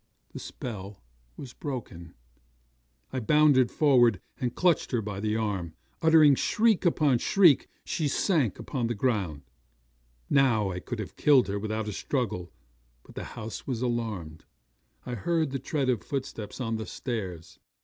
The spell was broken. I bounded forward, and clutched her by the arm. Uttering shriek upon shriek, she sank upon the ground. 'Now I could have killed her without a struggle; but the house was alarmed. I heard the tread of footsteps on the stairs.